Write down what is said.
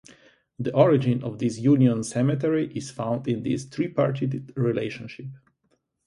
The origin of the Union Cemetery is found in this tripartite relationship.